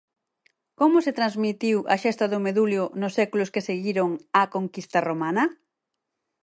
Como se transmitiu a xesta do Medulio nos séculos que seguiron á conquista romana?